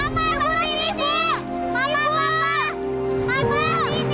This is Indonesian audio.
makasih ya makasih